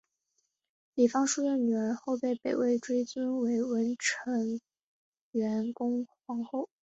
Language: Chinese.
李方叔的女儿后被北魏追尊为文成元恭皇后。